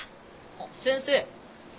あっ先生。